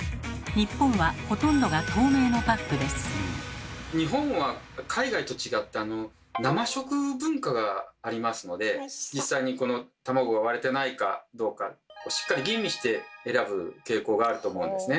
日本は海外と違って生食文化がありますので実際に卵が割れてないかどうかをしっかり吟味して選ぶ傾向があると思うんですね。